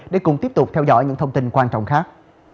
để cùng tiếp tục theo dõi những thông tin quan trọng khác